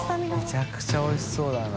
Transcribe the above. めちゃくちゃおいしそうだな。